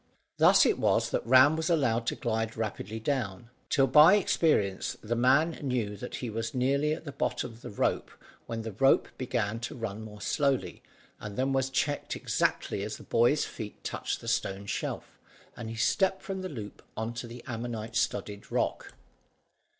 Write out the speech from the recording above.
Thus it was that Ram was allowed to glide rapidly down, till by experience the man knew that he was nearly at the bottom when the rope began to run more slowly, and then was checked exactly as the boy's feet touched the stone shelf, and he stepped from the loop on to the ammonite studded rock.